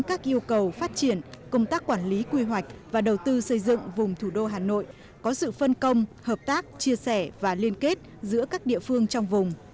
các yêu cầu phát triển công tác quản lý quy hoạch và đầu tư xây dựng vùng thủ đô hà nội có sự phân công hợp tác chia sẻ và liên kết giữa các địa phương trong vùng